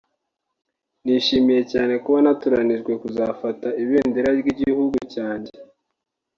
nishimiye cyane kuba natoranijwe kuzafata ibendera ry’igihugu cyanjye